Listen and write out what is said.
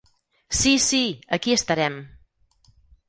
Sí, sí, aquí estarem!